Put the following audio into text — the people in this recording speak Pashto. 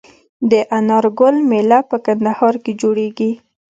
د انار ګل میله په کندهار کې جوړیږي.